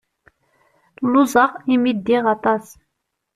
Luẓeɣ imi ddiɣ aṭas.